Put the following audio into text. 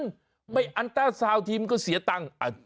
มีการเงินไม่อันตราสาวทีมก็เสียตังค์